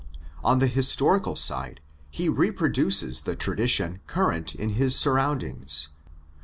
On the "historical" side he reproduces the tradition current in his surroundings.